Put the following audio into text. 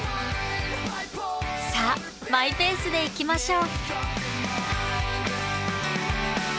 さあマイペースで行きましょう！